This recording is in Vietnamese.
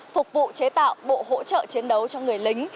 phục vụ chế tạo bộ hỗ trợ chiến đấu cho người lính